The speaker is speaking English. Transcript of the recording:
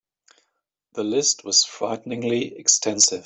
The list was frighteningly extensive.